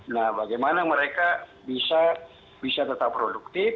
nah bagaimana mereka bisa tetap produktif